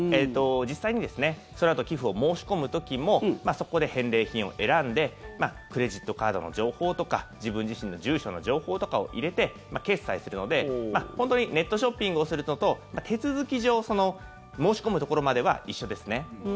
実際にそのあと寄付を申し込む時もそこで返礼品を選んでクレジットカードの情報とか自分自身の住所の情報とかを入れて、決済するので本当にネットショッピングをするのと手続き上、申し込むところまでは一緒ですね。